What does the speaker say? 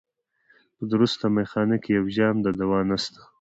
په درسته مېخانه کي یو جام د دوا نسته